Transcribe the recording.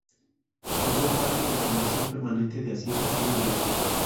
Formó parte de la Comisión Permanente de Hacienda e Industria.